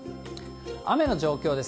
雨の状況です。